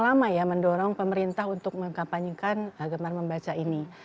lama ya mendorong pemerintah untuk mengkampanyekan agama membaca ini